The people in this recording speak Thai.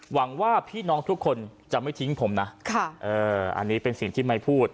หวังว่าพี่น้องทุกคนจะไม่ทิ้งผมนะอันนี้เป็นสิ่งที่ไม่พูด